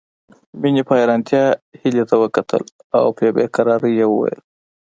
مينې په حيرانتيا هيلې ته وکتل او په بې قرارۍ يې وويل